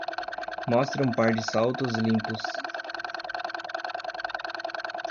Mostre um par de saltos limpos.